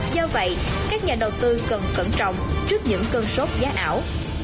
do vậy các nhà đầu tư cần cẩn trọng trước những cơn sốt giá ảo